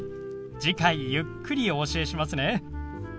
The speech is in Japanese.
次回ゆっくりお教えしますね。